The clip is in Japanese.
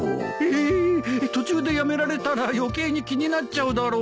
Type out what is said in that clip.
ええ途中でやめられたら余計に気になっちゃうだろ。